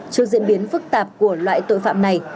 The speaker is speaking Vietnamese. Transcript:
trước diễn biến phức tạp của loại tội phạm này